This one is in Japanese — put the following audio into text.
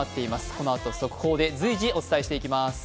このあと、速報で随時お伝えしていきます。